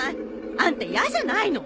あんたやじゃないの？